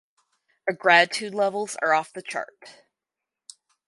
Our gratitude levels are off the chart.